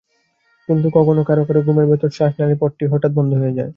কিন্তু কখনো কারও কারও ঘুমের ভেতর শ্বাসনালির পথটি হঠাৎ বন্ধ হয়ে যায়।